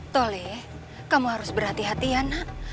tole kamu harus berhati hati ya nak